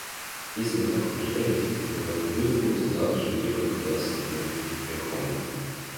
— Если вы так утверждаете, — говорит, — то извольте завтра же ехать туда со мной верхом...